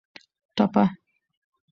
ټپه